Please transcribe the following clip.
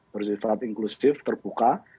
bersifat inklusif terbuka